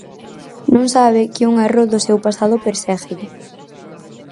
Non sabe que un erro do seu pasado perséguelle.